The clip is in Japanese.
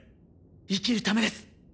生きるためです